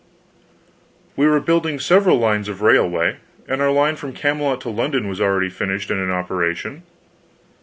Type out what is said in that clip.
We were building several lines of railway, and our line from Camelot to London was already finished and in operation.